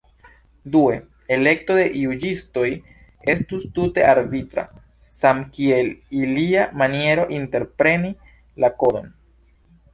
Due, elekto de juĝistoj estus tute arbitra, samkiel ilia maniero interpreti la kodon.